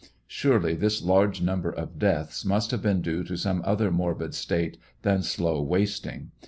Surely this large number of deaths must have been due to some other morbid state than slow wasting.